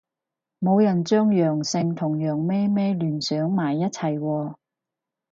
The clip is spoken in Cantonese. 冇人將陽性同羊咩咩聯想埋一齊喎